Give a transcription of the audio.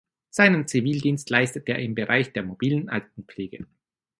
Seinen Zivildienst leistete er im Bereich der mobilen Altenpflege.